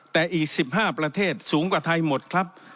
แต่อีก๑๕ประเทศสูงกว่าไทยหมดครับ